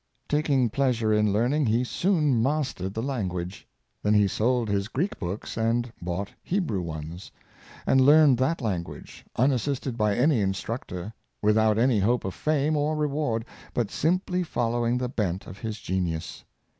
Taking pleasure in learning, he soon mas tered the language. Then he sold his Greek books and bought Hebrew ones, and learned that language, unas sisted by any instructor, without any hope of fame or reward, but simply following the bent of his genius.